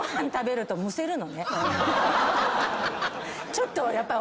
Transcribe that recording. ちょっとやっぱり。